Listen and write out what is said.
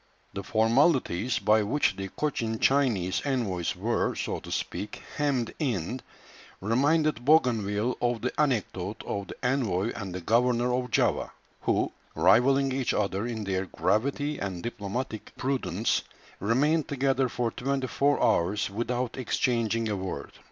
The formalities by which the Cochin Chinese envoys were, so to speak, hemmed in, reminded Bougainville of the anecdote of the envoy and the governor of Java, who, rivalling each other in their gravity and diplomatic prudence, remained together for twenty four hours without exchanging a word.